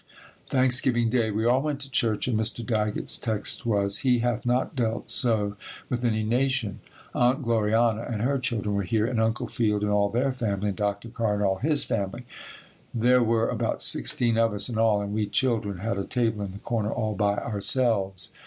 Thanksgiving Day. We all went to church and Dr. Daggett's text was: "He hath not dealt so with any nation." Aunt Glorianna and her children were here and Uncle Field and all their family and Dr. Carr and all his family. There were about sixteen of us in all and we children had a table in the corner all by ourselves.